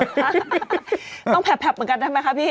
ต้องแผบเหมือนกันได้ไหมคะพี่